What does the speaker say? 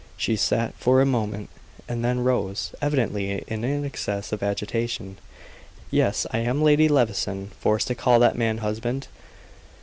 She sat for a moment, and then rose, evidently in an excess of agitation. "Yes, I am Lady Levison, forced to call that man husband.